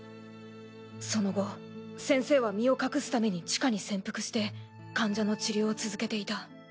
その後先生は身を隠すために地下に潜伏して患者の治療を続けていた。